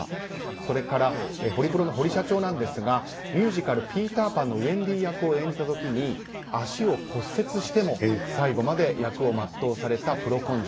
それからホリプロの堀社長ですがミュージカル「ピーターパン」のウェンディ役を演じた時に、足を骨折しても最後まで役を全うされたプロ根性。